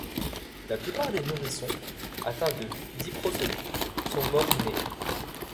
La plupart des nourrissons atteints de diprosopie sont morts-nés.